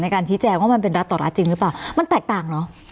การชี้แจงว่ามันเป็นรัฐต่อรัฐจริงหรือเปล่ามันแตกต่างเหรอ